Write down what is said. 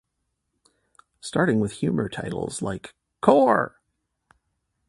Starting with humour titles like Cor!!